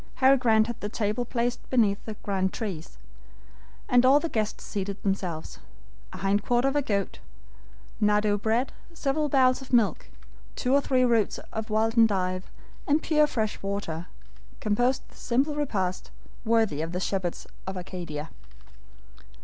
Harry Grant had the table placed beneath the grand trees, and all the guests seated themselves. A hind quarter of a goat, nardou bread, several bowls of milk, two or three roots of wild endive, and pure fresh water, composed the simple repast, worthy of the shepherds of Arcadia.